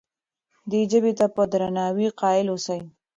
دې ژبې ته په درناوي قایل اوسئ.